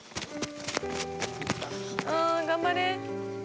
あ頑張れ。